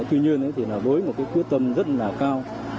tuy nhiên với một quyết tâm rất là cao